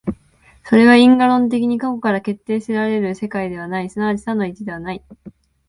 それは因果論的に過去から決定せられる世界ではない、即ち多の一ではない。